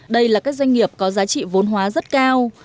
đây là các doanh nghiệp có giá trị vốn hóa rất cao